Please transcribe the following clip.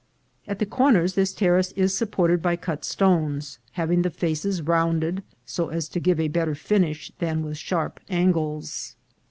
At the corners this terrace is supported by cut stones, having the faces rounded so as to give a better finish than with sharp angles.